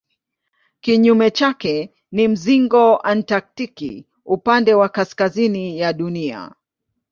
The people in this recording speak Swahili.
Kinyume chake ni mzingo antaktiki upande wa kaskazini ya Dunia.